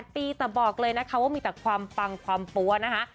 ๘ปีแต่บอกเลยนะคะว่ามีแต่ความปังความปั๊วนะคะ